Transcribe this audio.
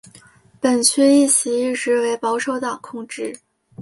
本区议席一直为保守党控制。